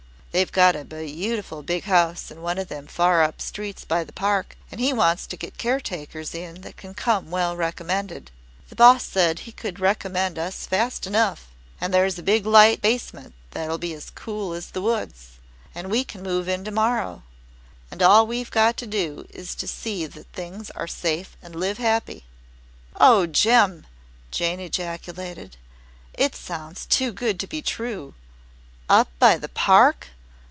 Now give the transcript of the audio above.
They've got a beautiful big house in one of them far up streets by the Park and he wants to get caretakers in that can come well recommended. The boss said he could recommend us fast enough. And there's a big light basement that'll be as cool as the woods. And we can move in to morrow. And all we've got to do is to see that things are safe and live happy." "Oh, Jem!" Jane ejaculated. "It sounds too good to be true! Up by the Park!